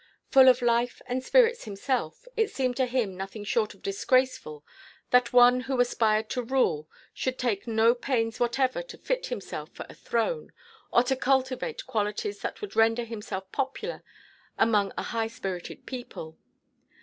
Full of life and spirits himself, it seemed to him nothing short of disgraceful that one, who aspired to rule, should take no pains whatever to fit himself for a throne, or to cultivate qualities that would render himself popular among a high spirited people.